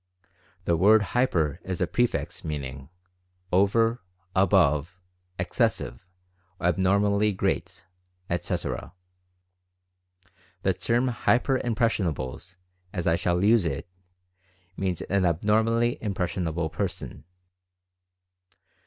The word "hyper" is a prefix, meaning "over ; above; excessive; abnormally great," etc. The term <( hyper impressionables" as I shall use it, means an "abnormally impressionable" person.